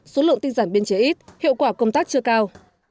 số lượng tinh giản biên chế ít hiệu quả công tác chưa cao